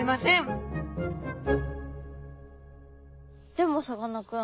でもさかなクン